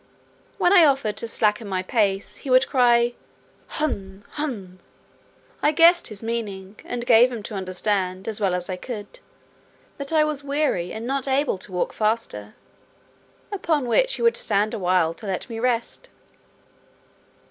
When I offered to slacken my pace, he would cry hhuun hhuun: I guessed his meaning, and gave him to understand, as well as I could, "that I was weary, and not able to walk faster;" upon which he would stand a while to let me rest.